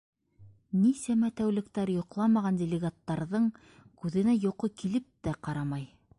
Нисәмә тәүлектәр йоҡламаған делегаттарҙың күҙенә йоҡо килеп тә ҡарамай.